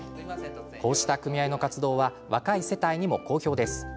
こうした組合の活動は若い世帯にも好評です。